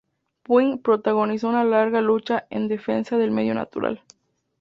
Puig protagonizó una larga lucha en defensa del medio natural.